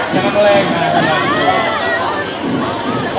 jangan melek anak anak anak